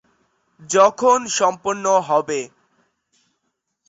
এরপরে বর্তমানে প্রচলিত নিউক্লিয়েজ-ভিত্তিক বংশাণু সম্পাদনা ব্যবস্থাগুলির আবির্ভাব ঘটে।